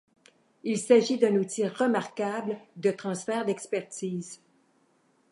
Il s'agit d'un outil remarquable de transfert d'expertise.